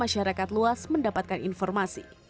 masyarakat luas mendapatkan informasi